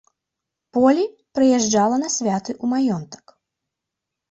Полі прыязджала на святы ў маёнтак.